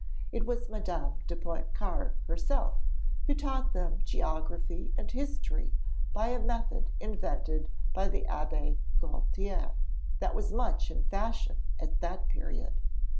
It was Madame de Pontcarré herself who taught them geography and history by a method invented by the Abbé Gaultier that was much in fashion at that period.